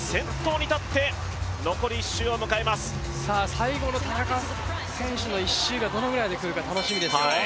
最後の田中選手の１周がどのぐらいで来るか楽しみですよ。